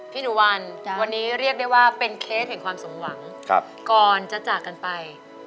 พี่หนูวันวันนี้เรียกได้ว่าเป็นเคสแห่งความสมหวังก่อนจะจากกันไป